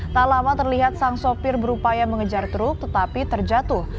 tak lama terlihat sang sopir berupaya mengejar truk tetapi terjatuh